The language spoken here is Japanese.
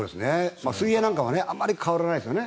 水泳はあまり変わらないですよね